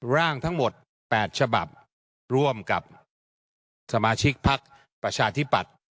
ร่างทั้งหมด๘ฉบับร่วมกับสมาชิกพักประชาธิปัตย์